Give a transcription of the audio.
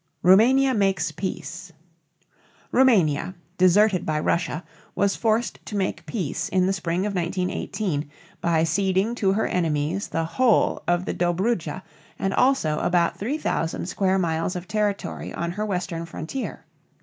ROUMANIA MAKES PEACE. Roumania, deserted by Russia, was forced to make peace in the spring of 1918, by ceding to her enemies the whole of the Dobrudja and also about 3000 square miles of territory on her western frontier.